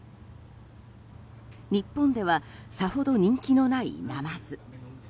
日本では、さほど人気のないナマズ。